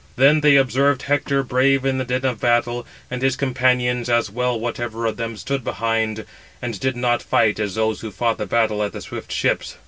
Then they observed Hector, brave in the din of battle, and his companions, as well whatever of them stood behind and did not fight as those who fought the battle at the swift ships.